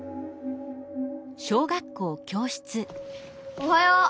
おはよう！